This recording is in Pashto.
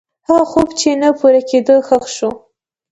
هغه خوب چې نه پوره کېده، ښخ شو.